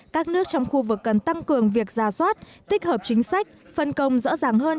các nước trong khu vực cần tăng cường việc ra soát tích hợp chính sách phân công rõ ràng hơn